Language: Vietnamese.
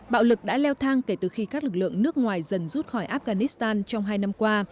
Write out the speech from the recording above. bạo lực đã leo thang kể từ khi các lực lượng nước ngoài dần rút khỏi afghanistan trong hai năm qua